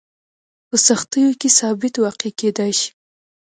په سختیو کې ثابت واقع کېدای شي.